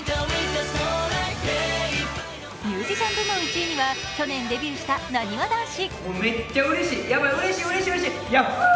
ミュージシャン部門１位には去年デビューしたなにわ男子。